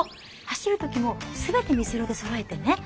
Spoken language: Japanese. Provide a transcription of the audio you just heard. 走る時も全て水色でそろえてね。